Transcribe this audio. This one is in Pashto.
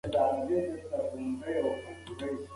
تاسو باید په ژوند کې د خلکو په افکارو پوه شئ.